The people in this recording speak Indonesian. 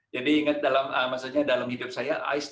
jadi inget dalam maksudnya dalam hidup saya